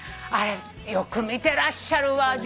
あれよく見てらっしゃるわ。